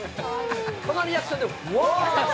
このリアクションです。